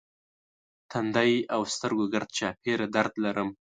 تندی او سترګو ګرد چاپېره درد لرم.